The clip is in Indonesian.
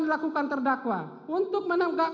dilakukan terdakwa untuk menembak